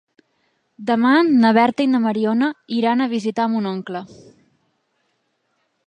Demà na Berta i na Mariona iran a visitar mon oncle.